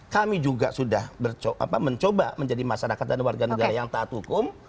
kami juga sudah mencoba menjadi masyarakat dan warga negara yang taat hukum